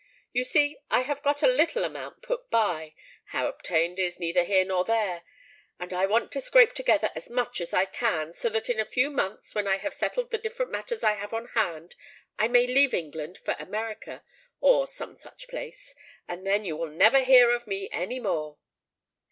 You see, I have got a little amount put by—how obtained is neither here nor there; and I want to scrape together as much as I can, so that in a few months, when I have settled the different matters I have on hand, I may leave England for America, or some such place; and then you will never hear of me any more."